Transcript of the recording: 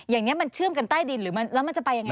อย่างนี้มันเชื่อมกันใต้ดินหรือแล้วมันจะไปยังไง